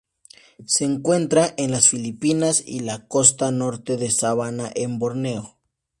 Se encuentra en las Filipinas y la costa norte de Sabah en Borneo.